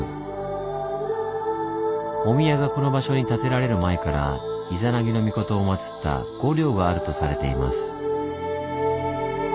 お宮がこの場所に建てられる前から伊弉諾尊を祀った御陵があるとされています。